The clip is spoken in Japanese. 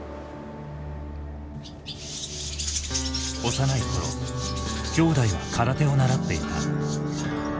幼い頃兄弟は空手を習っていた。